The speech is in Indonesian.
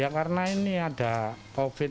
karena ini ada covid